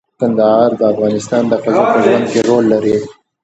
کندهار د افغان ښځو په ژوند کې رول لري.